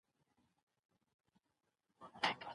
د انسان دماغ ډېر پېچلی دی.